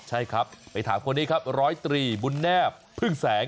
ใช่ครับไปถามคนนี้ครับร้อยตรีบุญแนบพึ่งแสง